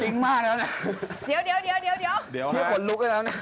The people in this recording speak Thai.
งานเย็นมากนะ